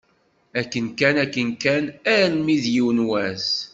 Akken kan, akken kan, almi d yiwen wass.